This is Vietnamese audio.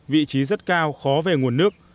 vị trí rất cao khó về nguồn nước